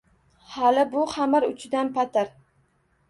Hali bu xamir uchidan patir